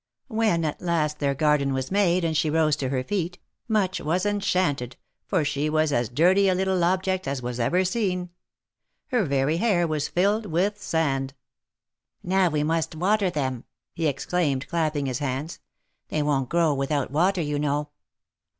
When at last their garden was made, and she rose to her feet, Much was enchanted, for she was as dirty a little THE MAKKETS OF PAEIS. 233 object as was ever seen. Her very hair was filled with sand. /'Now we must water them!'' he exclaimed, clapping his hands. " They won't grow without water, you know."